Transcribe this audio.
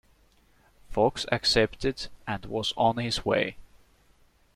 Fox accepted and was on his way.